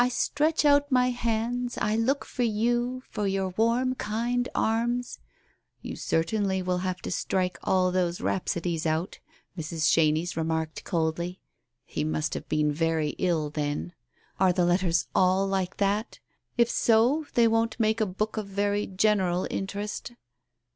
stretch out my hands, I look for you, for your warm kind arms '" "You certainly will have to strike all those rhapsodies out," Mrs. Chenies remarked coldly. "He must have been very ill then. Are the letters all like that? If so, they won't made a book of very general interest."